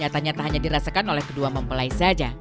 ternyata hanya dirasakan oleh kedua mempelai saja